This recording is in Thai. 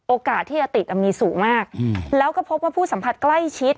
โอกาสที่จะติดมีสูงมากแล้วก็พบว่าผู้สัมผัสใกล้ชิด